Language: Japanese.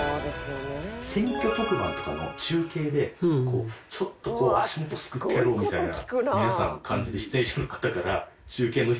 選挙特番とかの中継でちょっと足元すくってやろうみたいな皆さん感じで出演者の方から中継の質問